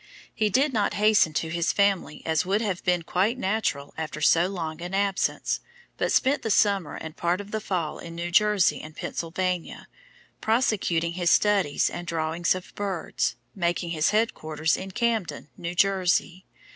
He did not hasten to his family as would have been quite natural after so long an absence, but spent the summer and part of the fall in New Jersey and Pennsylvania, prosecuting his studies and drawings of birds, making his headquarters in Camden, New Jersey.